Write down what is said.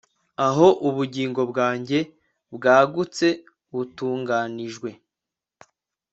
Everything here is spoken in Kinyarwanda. aho ubugingo bwanjye bwagutse butunganijwe